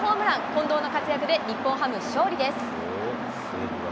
近藤の活躍で日本ハム、勝利です。